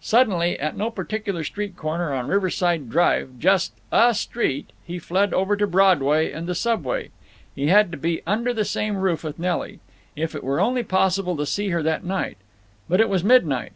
Suddenly, at no particular street corner on Riverside Drive, just a street, he fled over to Broadway and the Subway. He had to be under the same roof with Nelly. If it were only possible to see her that night! But it was midnight.